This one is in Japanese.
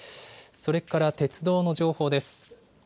それから鉄道の情報です。